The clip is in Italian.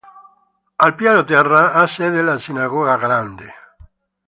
Al piano terra ha sede la sinagoga grande.